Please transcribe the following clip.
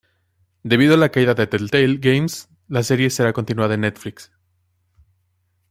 Debido a la caída de Telltale Games la serie será continuada en Netflix.